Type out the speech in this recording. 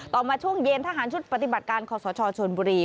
มาช่วงเย็นทหารชุดปฏิบัติการขอสชชนบุรี